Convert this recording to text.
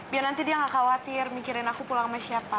biar nanti dia gak khawatir mikirin aku pulang sama siapa